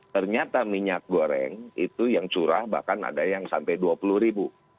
ternyata minyak goreng itu yang curah bahkan ada yang sampai dua puluh ribu